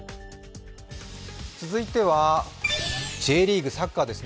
続いてはＪリーグ、サッカーです。